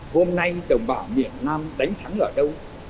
hôm nay đồng bào miền nam đánh thắng ở đâu